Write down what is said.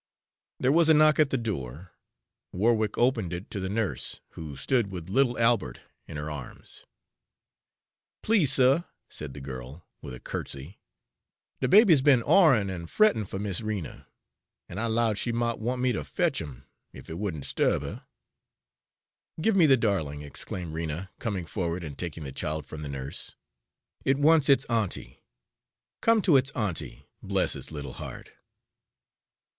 There was a knock at the door. Warwick opened it to the nurse, who stood with little Albert in her arms. "Please, suh," said the girl, with a curtsy, "de baby 's be'n oryin' an' frettin' fer Miss Rena, an' I 'lowed she mought want me ter fetch 'im, ef it wouldn't 'sturb her." "Give me the darling," exclaimed Rena, coming forward and taking the child from the nurse. "It wants its auntie. Come to its auntie, bless its little heart!"